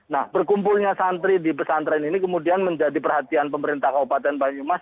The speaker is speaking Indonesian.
nah berkumpulnya santri di pesantren ini kemudian menjadi perhatian pemerintah kabupaten banyumas